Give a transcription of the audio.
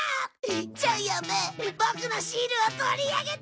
ジャイアンめボクのシールを取り上げた！